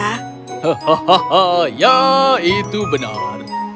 hahaha ya itu benar